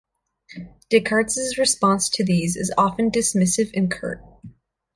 Descartes' response to these is often dismissive and curt.